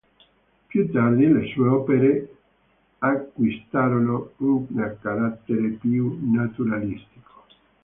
Più tardi le sue opere acquistarono una carattere più naturalistico.